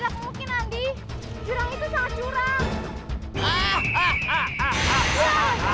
hai curang itu sangat curang hahaha